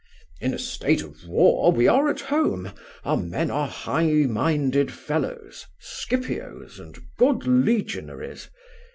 In a state of war we are at home, our men are high minded fellows, Scipios and good legionaries.